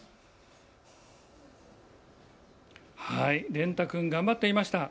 蓮汰君、頑張っていました。